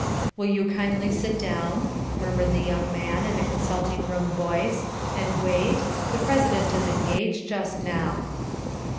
"Will you kindly sit down," murmured the young man, in a consulting room voice, "and wait? The President is engaged just now."